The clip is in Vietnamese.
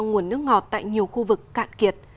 nguồn nước ngọt tại nhiều khu vực cạn kiệt